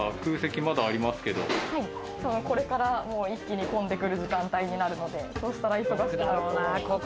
多分これから一気に混んでくる時間帯になるのでそしたら忙しくなると思います。